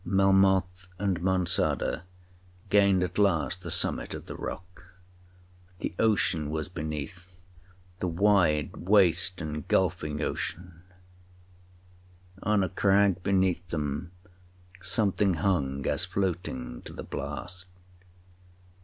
Melmoth and Monçada gained at last the summit of the rock. The ocean was beneath—the wide, waste, engulphing ocean! On a crag beneath them, something hung as floating to the blast.